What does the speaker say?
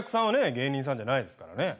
芸人さんじゃないですからね。